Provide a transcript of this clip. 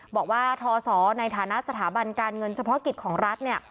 บอกว่าทศในฐานะสถาบันการเงินเฉพาะกิจของรัฐเนี่ย